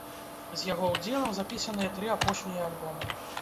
З яго ўдзелам запісаныя тры апошнія альбома.